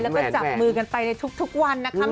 แล้วก็จับมือกันไปในทุกวันนะคะ